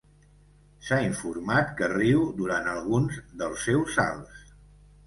S'ha informat que riu durant alguns dels seus salts.